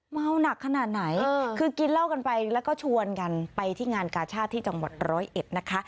เมาหนักขนาดไหนคือกินเหล้ากันไปแล้วก็ชวนกันไปที่งานกาชาติที่จังหวัดร้อยเอ็ดนะคะ